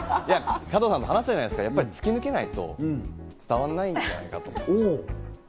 加藤さんと話したじゃないですか、やっぱりつきぬけないと伝わらないんじゃないかと。